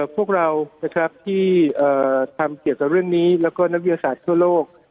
พวกเรานะครับที่ทำเกี่ยวกับเรื่องนี้แล้วก็นักวิทยาศาสตร์ทั่วโลก